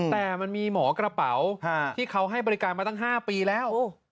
แต่มันมีหมอกระเป๋าที่เขาให้บริการมาตั้ง๕ปีแล้ว